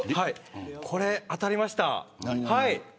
これ当たりました。